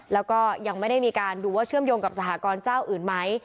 แล้วก็ยังไม่ได้มีการดูว่าเชื่อมโยงกับสหกรณ์เจ้าอื่นไหม